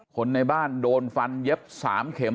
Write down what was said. คนในบ้านโดนฟันเย็บ๓เข็ม